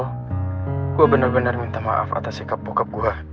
sel gue bener bener minta maaf atas sikap bokap gue